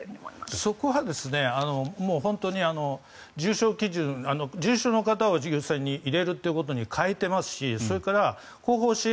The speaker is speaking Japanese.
そこは本当に重症基準重症の方を入れるということに変えていますしそれから後方支援